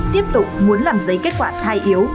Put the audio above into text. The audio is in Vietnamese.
tiếp tục muốn làm giấy kết quả thai yếu